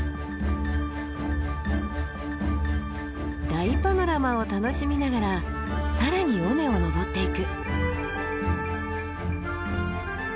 大パノラマを楽しみながら更に尾根を登っていく。